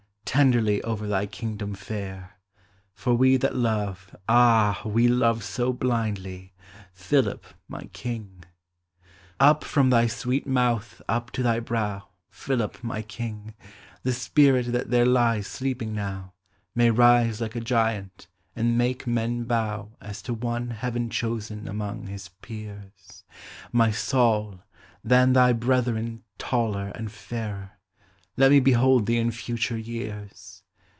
Tenderly over thy kingdom fair; For we that love, ah! we love so blindly, Philip, my king! * To Philip Bourke Marston, in infancy. Digitized by Google ABOUT CHILDREN. 17 Up from thy sweet mouth up to thy brow, Philip, my kiug! The spirit that there lies sleeping uow May rise like a giant, and make men bow As to one Heaven chosen among his peers. My Saul, than thy brethren taller and fairer, Let me behold thee in future years!